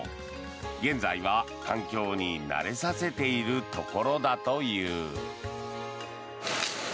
現在は環境に慣れさせているところだという。